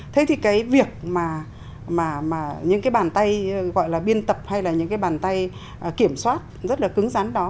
thế thì cái việc mà những cái bàn tay gọi là biên tập hay là những cái bàn tay kiểm soát rất là cứng rắn đó